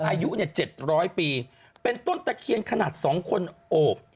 อายุเนี่ย๗๐๐ปีเป็นต้นตะเคียนขนาด๒คนโอบ